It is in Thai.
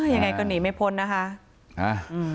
ยังไงก็หนีไม่พ้นนะคะ